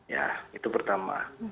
ya itu pertama